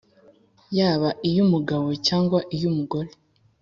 yaba iy’umugabo cyangwa iy’umugore,